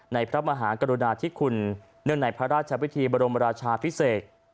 พระมหากรุณาธิคุณเนื่องในพระราชวิธีบรมราชาพิเศษ